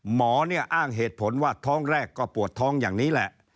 หมอเนี่ยอ้างเหตุผลว่าท้องแรกก็ปวดท้องอย่างนี้แหละ